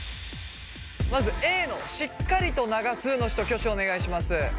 まずＡのしっかりと流すの人挙手をお願いします。